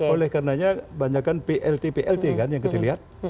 oleh karenanya banyakkan plt plt yang dilihat